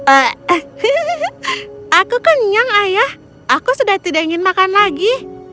eh aku kenyang ayah aku sudah tidak ingin makan lagi